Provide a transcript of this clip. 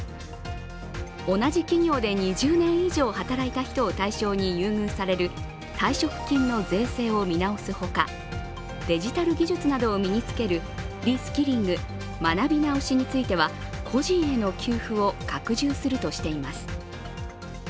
同じ企業で２０年以上働いた人を対象に優遇される退職金の税制を見直すほかデジタル技術などを身につけるリスキリング＝学び直しについては個人への給付を拡充するとしています。